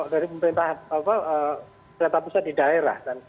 dari pemerintah pusat di daerah